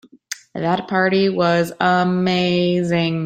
That party was amazing.